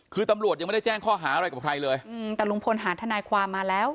คือตำรวจยังไม่ได้แจ้งข้อหาอะไรกับใครเลยอืมแต่ลุงพลหาทนายความมาแล้ว